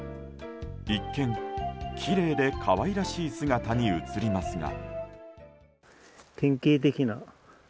一見、きれいで可愛らしい姿に映りますが。